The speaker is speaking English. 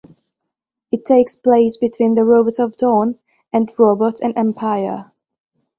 It takes place between "The Robots of Dawn" and "Robots and Empire".